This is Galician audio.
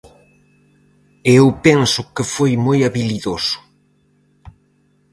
E eu penso que foi moi habilidoso.